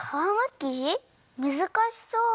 むずかしそう。